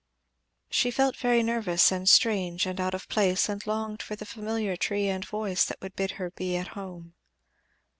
She felt very nervous and strange and out of place, and longed for the familiar free and voice that would bid her be at home.